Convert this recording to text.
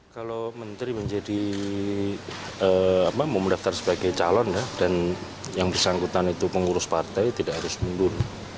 kalau menteri menjadi mau mendaftar sebagai calon ya dan yang bersangkutan itu pengurus partai tidak harus mundur